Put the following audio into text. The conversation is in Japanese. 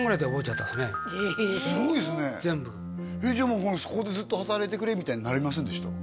もうそこでずっと働いてくれみたいになりませんでした？